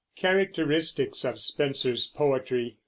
CHARACTERISTICS OF SPENSER'S POETRY.